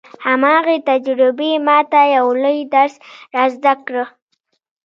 هماغې تجربې ما ته يو لوی درس را زده کړ.